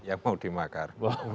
yang mau dimakar